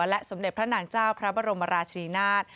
และสมเด็จพระนางเจ้าพระบรมราชนีนาฏ